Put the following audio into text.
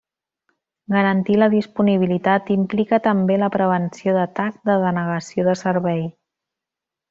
Garantir la disponibilitat implica també la prevenció d'atac de denegació de servei.